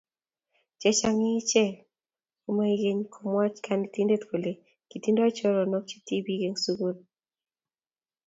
chechang eng ichek komaigeny komwach kanetindet kole kitindoi choronok che tibik eng sugul